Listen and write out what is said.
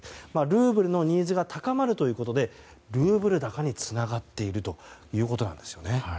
ルーブルのニーズが高まるということでルーブル高につながっているということなんですよね。